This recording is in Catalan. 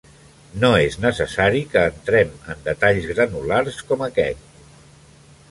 No es necessari que entrem en detalls granulars com aquest.